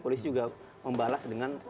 polisi juga membalas dengan